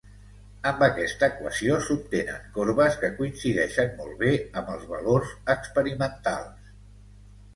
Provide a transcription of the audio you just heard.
Amb aquesta equació s'obtenen corbes que coincideixen molt bé amb els valors experimentals.